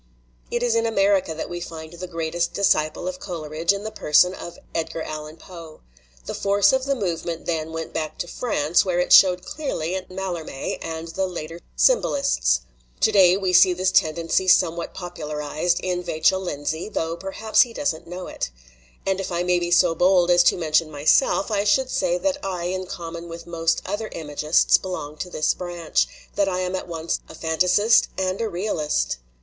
It is in America that we find the greatest disciple of Coleridge in the person of Edgar Allan Poe. The force of the movement then went back to France, where it showed clearly in Mallarme and the later symbolists. To day we see this tendency some what popularized in Vachell Lindsay, although per haps he does not know it. And if I may be so bold as to mention myself, I should say that I in com mon with most other imagists belong to this branch, that I am at once a fantasist and a realist.